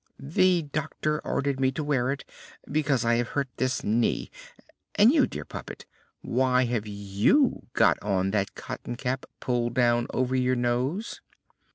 "The doctor ordered me to wear it because I have hurt this knee. And you, dear puppet, why have you got on that cotton cap pulled down over your nose?"